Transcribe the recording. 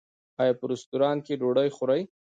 ایا په رستورانت کې ډوډۍ خورئ؟